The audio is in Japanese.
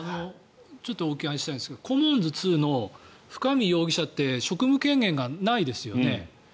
ちょっとお伺いしたいんですがコモンズ２の深見容疑者って職務権限がないですよね。